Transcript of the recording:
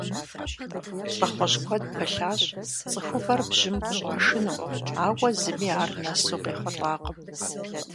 ЛӀыхъужь куэд пылъащ цӀыхубэр бжьым къыщӀашыну, ауэ зыми ар нэсу къехъулӀакъым.